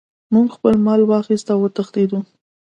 موږ خپل مال واخیست او وتښتیدو.